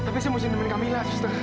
tapi saya mau jalanin dengan kamila juster